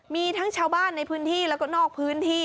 มีทั้งชาวบ้านในพื้นที่แล้วก็นอกพื้นที่